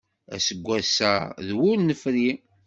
Aseggas-a d wur nefri.